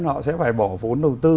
họ sẽ phải bỏ vốn đầu tư